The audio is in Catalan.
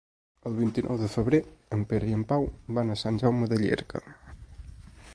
El vint-i-nou de febrer en Pere i en Pau van a Sant Jaume de Llierca.